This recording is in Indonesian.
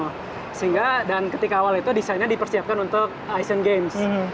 pada awalnya desainnya dipersiapkan untuk ice n' games